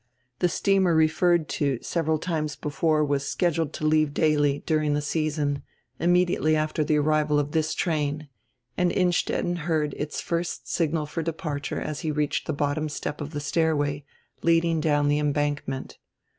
The steamer referred to several times before was scheduled to leave daily, during die sea son, immediately after die arrival of this train, and Inn stetten heard its first signal for departure as he reached die bottom step of die stairway leading down the embank ment.